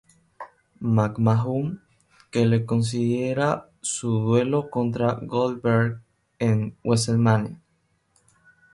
McMahon, que le concediera su duelo contra Goldberg en Wrestlemania.